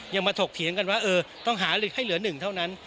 มาถกเถียงกันว่าเออต้องหาให้เหลือหนึ่งเท่านั้น